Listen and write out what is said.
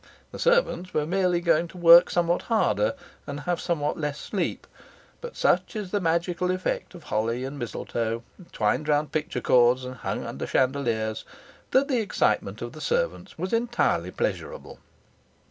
The servants were merely going to work somewhat harder and have somewhat less sleep; but such is the magical effect of holly and mistletoe twined round picture cords and hung under chandeliers that the excitement of the servants was entirely pleasurable.